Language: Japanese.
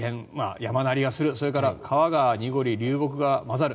山鳴りがするそれから川が濁り流木が交ざる。